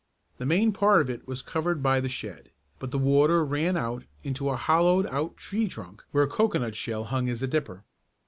The main part of it was covered by the shed, but the water ran out into a hollowed out tree trunk where a cocoanut shell hung as a dipper.